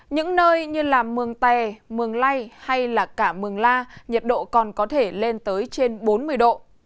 những nơi như mường tè mường lây hay cả mường la nhiệt độ còn có thể lên tới trên bốn mươi độ